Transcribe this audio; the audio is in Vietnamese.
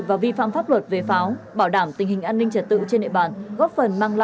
và vi phạm pháp luật về pháo bảo đảm tình hình an ninh trật tự trên địa bàn